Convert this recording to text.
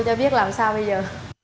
cho biết làm sao bây giờ